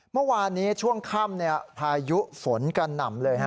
เมื่อวานนี้ช่วงค่ำพายุฝนกระหน่ำเลย